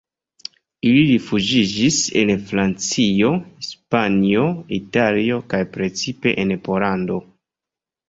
Ili rifuĝiĝis en Francio, Hispanio, Italio kaj precipe en Pollando.